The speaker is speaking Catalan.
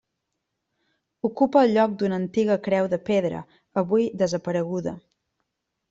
Ocupa el lloc d'una antiga Creu de Pedra, avui desapareguda.